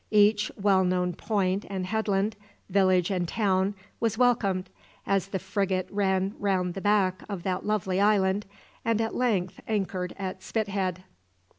Each well known point and headland, village and town, was welcomed, as the frigate ran round the back of that lovely island, and at length anchored at Spithead.